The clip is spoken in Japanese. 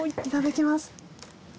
いただきます。